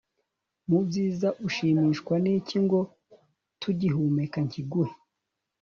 mu byiza ushimishwa n' iki ngo tugihumeka nkiguhe